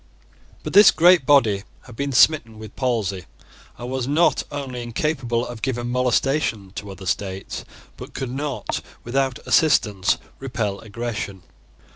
But this great body had been smitten with palsy, and was not only incapable of giving molestation to other states, but could not, without assistance, repel aggression.